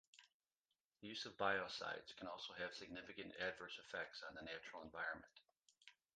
The use of biocides can also have significant adverse effects on the natural environment.